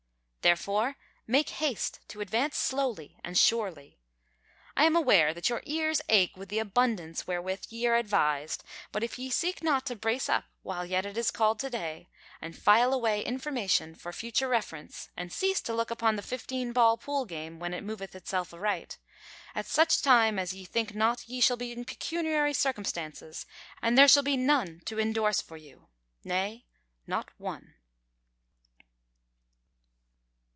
Therefore make haste to advance slowly and surely. I am aware that your ears ache with the abundance wherewith ye are advised, but if ye seek not to brace up while yet it is called to day, and file away information for future reference and cease to look upon the fifteen ball pool game when it moveth itself aright, at such time as ye think not ye shall be in pecuniary circumstances and there shall be none to indorse for you nay, not one.